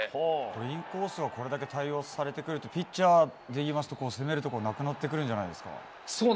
インコースをこれだけ対応されてくるとピッチャーは攻めるところがなくなってくるんじゃないですか。